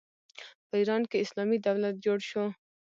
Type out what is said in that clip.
په ایران کې اسلامي دولت جوړ شو.